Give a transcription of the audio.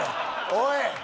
おい！